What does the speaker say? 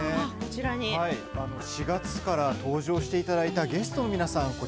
４月から登場していただいたゲストの皆さん